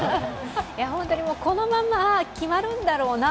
本当にこのまま決まるんだろうな、